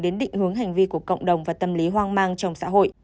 đến định hướng hành vi của cộng đồng và tâm lý hoang mang trong xã hội